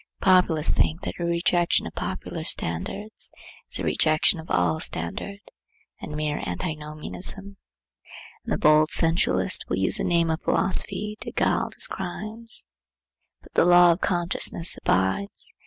The populace think that your rejection of popular standards is a rejection of all standard, and mere antinomianism; and the bold sensualist will use the name of philosophy to gild his crimes. But the law of consciousness abides.